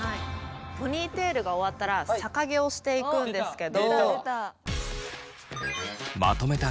ポニーテールが終わったら逆毛をしていくんですけど。